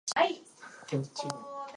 Last game in series for Favre.